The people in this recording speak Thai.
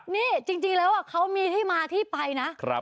นี่จริงแล้วเขามีที่มาที่ไปนะ